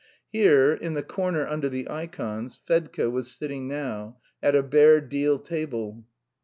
Here, in the corner under the ikons, Fedka was sitting now, at a bare deal table.